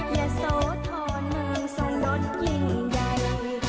เยอะโสธรเมืองสนดนตร์ยิ่งใหญ่